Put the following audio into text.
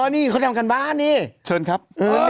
อ๋อนี่เค้ายังกันบ้านเชิญครับ